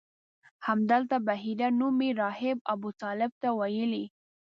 همدلته بحیره نومي راهب ابوطالب ته ویلي.